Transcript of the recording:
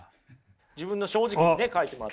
自分の正直にね書いてもらって。